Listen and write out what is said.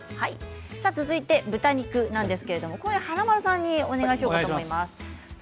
続いて豚肉なんですけれども華丸さんにお願いしようかと思います。